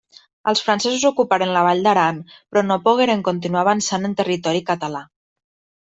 Els francesos ocuparen la Vall d'Aran, però no pogueren continuar avançant en territori català.